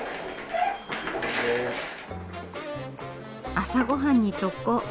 朝ごはんに直行！